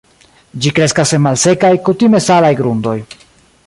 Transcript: Ĝi kreskas en malsekaj, kutime salaj grundoj.